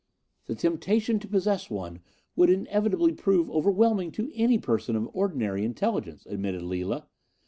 "'The temptation to possess one would inevitably prove overwhelming to any person of ordinary intelligence,' admitted Lila.